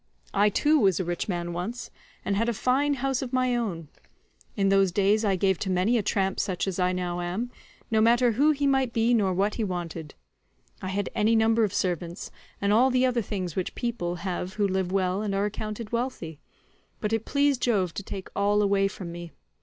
I too was a rich man once, and had a fine house of my own; in those days I gave to many a tramp such as I now am, no matter who he might be nor what he wanted. I had any number of servants, and all the other things which people have who live well and are accounted wealthy, but it pleased Jove to take all away from me.